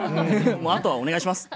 あとは、お願いします。